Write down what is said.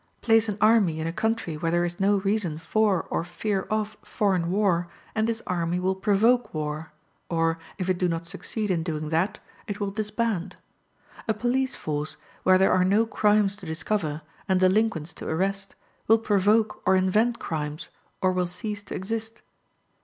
Place an army in a country where there is no reason for or fear of foreign war, and this army will provoke war, or, if it do not succeed in doing that, it will disband. A police force, where there are no crimes to discover, and delinquents to arrest, will provoke or invent crimes, or will cease to exist.